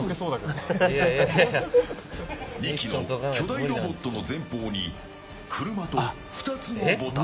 ２機の巨大ロボットの前方に車と２つのボタン。